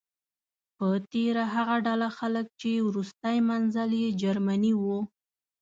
په تیره هغه ډله خلک چې وروستی منزل یې جرمني و.